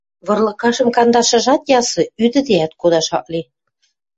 Вырлыкашым кандашыжат ясы, ӱдӹдеӓт кодаш ак ли.